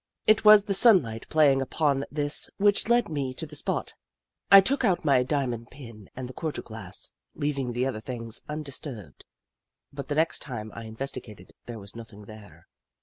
It was the sunlight playing upon this which led me to the spot. I took out my diamond pin and the cordial glass, leaving the other things undis turbed, but the next time I investigated, there was nothing there.